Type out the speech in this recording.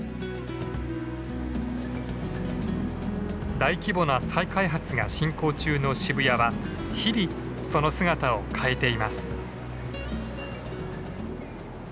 大規模な再開発が進行中の渋谷は日々その姿を変えています。